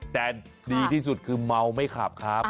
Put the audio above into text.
แต่ดีที่สุดคือเมาไม่ขับครับ